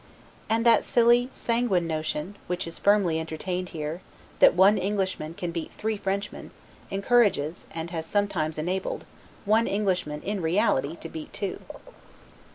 And that silly, sanguine notion, which is firmly entertained here, that one Englishman can beat three Frenchmen, encourages, and has sometimes enabled, one Englishman in reality to beat two.